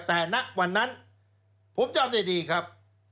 แต่ณวันนั้นผมจำได้ดีครับ